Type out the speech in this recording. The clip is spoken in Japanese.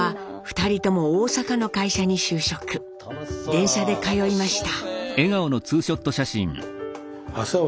電車で通いました。